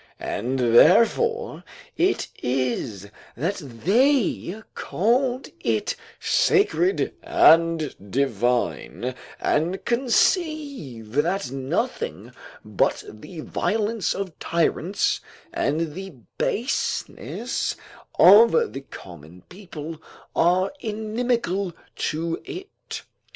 And therefore it is that they called it sacred and divine, and conceive that nothing but the violence of tyrants and the baseness of the common people are inimical to it.